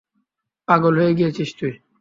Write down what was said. পাগল হয়ে গিয়েছিস তুই?